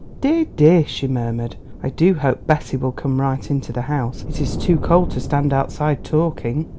"Dear, dear!" she murmured, "I do hope Bessie will come right into the house. It is too cold to stand outside talking."